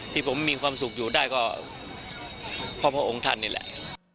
ที่ผมมีความสุขอยู่ได้ก็เพราะพระองค์ท่านนี่แหละ